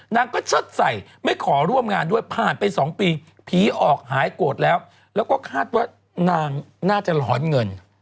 นางก็เชิดใส่ไม่ขอร่วมงานด้วยผ่านไป๒ปีผีออกหายโกรธแล้วแล้วก็คาดว่านางน่าจะร้อนเงิน